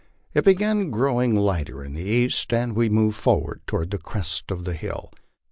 It began growing lighter in the east, and we moved forward toward the crest of the hill.